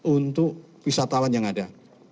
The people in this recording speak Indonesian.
untuk wisatawan yang ada